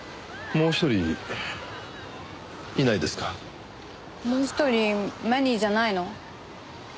もう一人マニーじゃないの？